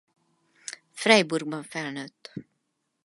Freiburgban felnőtt.